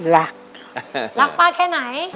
รักรักป้าแค่ไหน